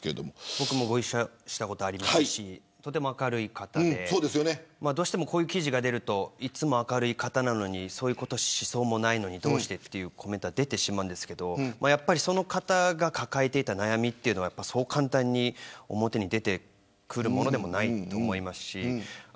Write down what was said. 僕もご一緒したことがありますしとても明るい方でこういう記事が出るといつも明るい方なのにそういうこともしそうもないのにどうして、というコメントが出てしまいますが、やっぱりその方が抱えていた悩みはそう簡単に表に出てくるものでもないと思うし